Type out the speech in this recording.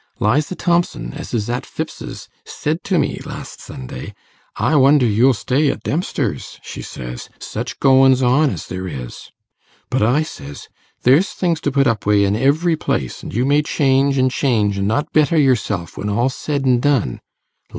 Liza Thomson, as is at Phipps's, said to me last Sunday, "I wonder you'll stay at Dempster's," she says, "such goins on as there is." But I says, "There's things to put up wi' in ivery place, an' you may change, an' change, an' not better yourself when all's said an' done."